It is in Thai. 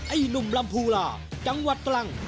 ไอ้หนุ่มลำพูลาจังหวัดตรัง